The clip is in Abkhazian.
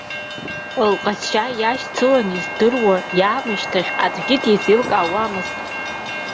Лҟазшьа иашьцыланы издыруа иаамышьҭахь аӡәгьы дизеилкаауамызт.